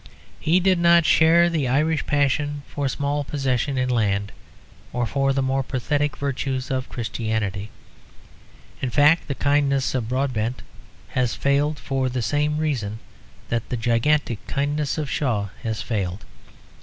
He did not share the Irish passion for small possession in land or for the more pathetic virtues of Christianity. In fact the kindness of Broadbent has failed for the same reason that the gigantic kindness of Shaw has failed.